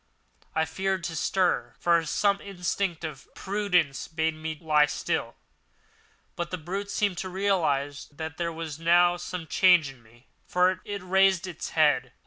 I feared to stir, for some instinct of prudence bade me lie still; but the brute seemed to realise that there was now some change in me, for it raised its head.